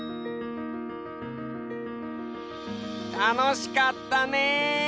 たのしかったね！